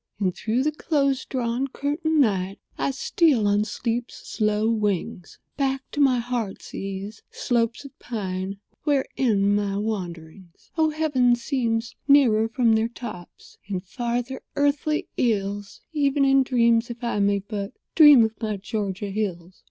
"And through the close drawn, curtained night I steal on sleep's slow wings Back to my heart's ease—slopes of pine— Where end my wanderings. Oh, heaven seems nearer from their tops— And farther earthly ills— Even in dreams, if I may but Dream of my Georgia hills.